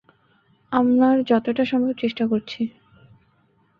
আমার যতটা সম্ভব চেষ্টা করছি।